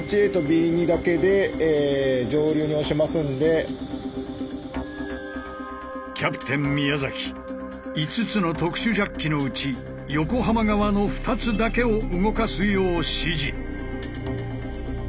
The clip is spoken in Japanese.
えとキャプテン宮５つの特殊ジャッキのうち横浜側の２つだけを動かすよう指示。